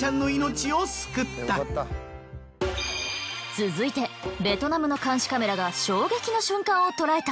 続いてベトナムの監視カメラが衝撃の瞬間を捉えた。